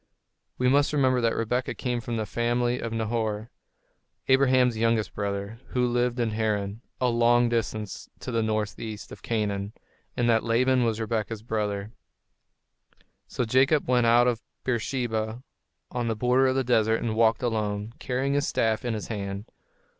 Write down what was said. We must remember that Rebekah came from the family of Nahor, Abraham's younger brother, who lived in Haran, a long distance to the northeast of Canaan, and that Laban was Rebekah's brother. So Jacob went out of Beersheba, on the border of the desert, and walked alone, carrying his staff in his hand.